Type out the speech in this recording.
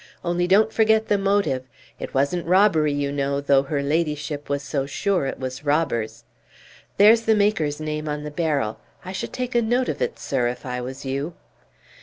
Only don't forget the motive; it wasn't robbery, you know, though her ladyship was so sure it was robbers! There's the maker's name on the barrel. I should take a note of it, sir, if I was you!"